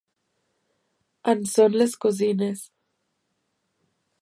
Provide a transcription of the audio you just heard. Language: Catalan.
En són les cosines.